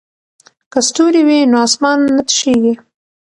که ستوري وي نو اسمان نه تشیږي.